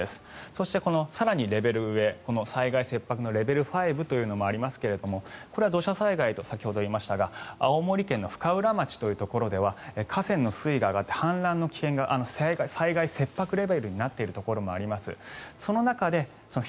そして、さらにレベルが上この災害切迫のレベル５とありますがこれは土砂災害と先ほど言いましたが青森県の深浦町では河川の水位が上がって氾濫の危険性が災害切迫レベルになっているところもあります。